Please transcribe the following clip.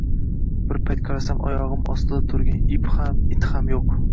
Bir payt qarasam, oyog`im ostida turgan ip ham, it ham yo`q